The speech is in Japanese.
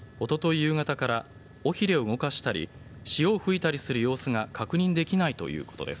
夕方から尾ひれを動かしたり潮を噴いたりする様子が確認できないということです。